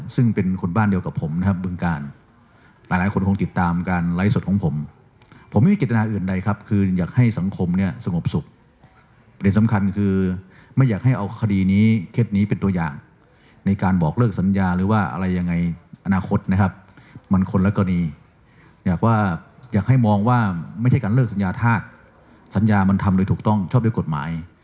สัญญามันทำมันทุกต้องชอบเรียกกฎหมาย